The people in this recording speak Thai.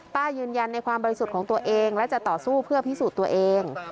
ยืนยันในความบริสุทธิ์ของตัวเองและจะต่อสู้เพื่อพิสูจน์ตัวเอง